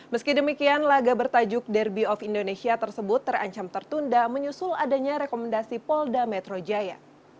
meski demikian laga bertajuk derby of indonesia tersebut terancam tertunda menyusul adanya rekomendasi polda metro jaya